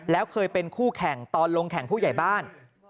แล้วเคยเป็นคู่แข่งตอนลงแข่งผู้ใหญ่บ้าน